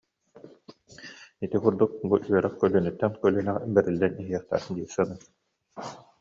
Ити курдук бу үөрэх көлүөнэттэн көлүөнэҕэ бэриллэн иһиэхтээх дии саныыр